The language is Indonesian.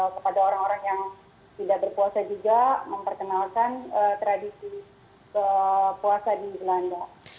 kepada orang orang yang tidak berpuasa juga memperkenalkan tradisi puasa di belanda